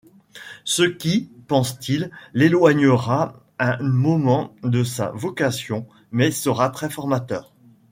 Ce qui, pense-t-il, l’éloignera un moment de sa vocation mais sera très formateur.